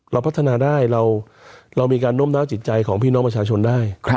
เราพัฒนาได้เรามีการน้มน้าวจิตใจของพี่น้องประชาชนได้